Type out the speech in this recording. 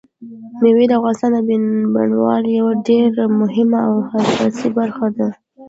مېوې د افغانستان د بڼوالۍ یوه ډېره مهمه او اساسي برخه ده.